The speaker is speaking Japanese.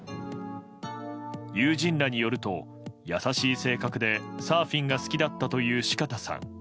友人らによると優しい性格でサーフィンが好きだったという四方さん。